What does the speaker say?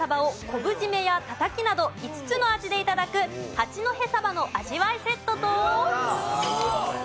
昆布締めやたたきなど５つの味で頂く八戸さばの味わいセットと。